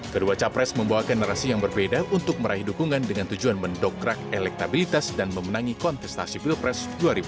kedua capres membawa generasi yang berbeda untuk meraih dukungan dengan tujuan mendokrak elektabilitas dan memenangi kontestasi pilpres dua ribu sembilan belas